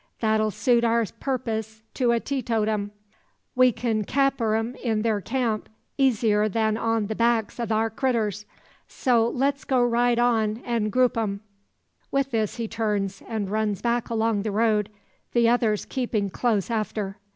That'll suit our purpiss to a teetotum. We kin capter 'em in thar camp eezier than on the backs o' thar critters. So, let's go right on an' grup 'em!" With this he turns, and runs back along the road, the others keeping close after.